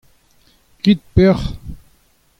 grit peoc'h.